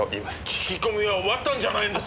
聞き込みは終わったんじゃないんですか！？